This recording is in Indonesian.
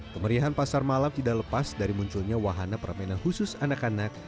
kemeriahan pasar malam tidak lepas dari munculnya wahana permainan khusus anak anak